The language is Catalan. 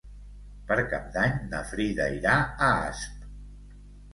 Per Cap d'Any na Frida irà a Asp.